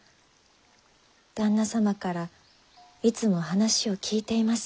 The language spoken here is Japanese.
旦那様からいつも話を聞いています。